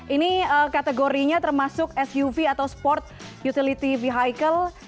ini kategorinya termasuk suv atau sport utility vehicle